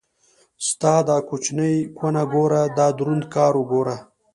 ستا دا کوچنۍ کونه ګوره دا دروند کار وګوره.